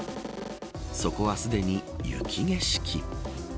そこは、すでに雪景色。